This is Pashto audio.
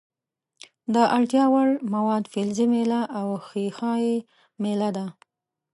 د اړتیا وړ مواد فلزي میله او ښيښه یي میله ده.